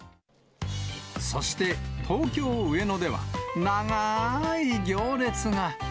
そして、東京・上野では、長ーい行列が。